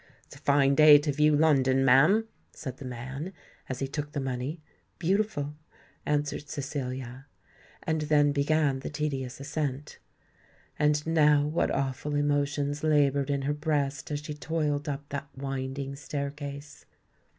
"It's a fine day to view London, ma'am," said the man, as he took the money. "Beautiful," answered Cecilia. She then began the tedious ascent. And now what awful emotions laboured in her breast as she toiled up that winding staircase.